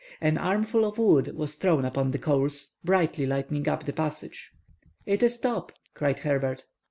An armful of wood was thrown upon the coals, brightly lighting up the passage. "It is Top!" cried Herbert.